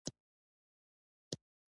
پکورې له ژونده خوند اخیستل ښيي